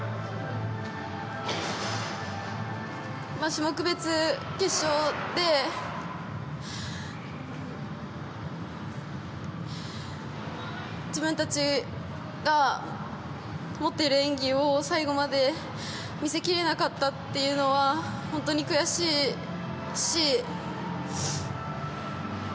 種目別決勝で自分たちが持っている演技を最後まで見せ切れなかったというのは本当に悔しいし。